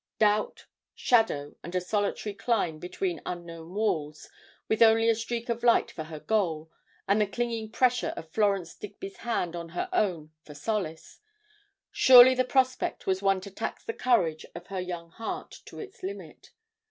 Doubt, shadow, and a solitary climb between unknown walls, with only a streak of light for her goal, and the clinging pressure of Florence Digby's hand on her own for solace surely the prospect was one to tax the courage of her young heart to its limit.